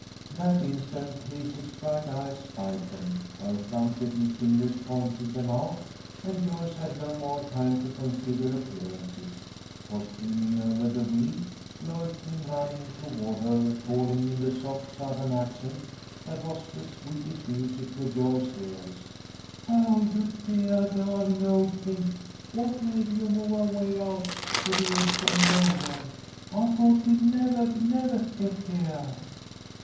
That instant Hazel's bright eyes spied them, her plump little finger pointed them out, and Joyce had no more time to consider appearances; for, springing over the wheel, Lloyd came running toward her, calling in the soft Southern accent that was the sweetest music to Joyce's ears, "Oh, you deah, darling old thing! What made you move away out to the edge of nowhere? I thought we'd nevah, nevah get heah!"